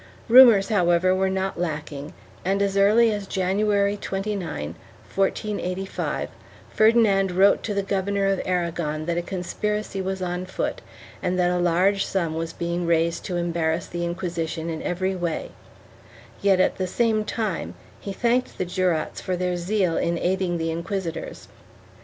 Rumors however were not lacking and, as early as January 29, 1485, Ferdi nand wrote to the Governor of Aragon that a conspiracy was on foot and that a large sum was being raised to embarrass the Inquisition in every way, yet at the same time he thanked the jurats for their zeal in aiding the inquisitors.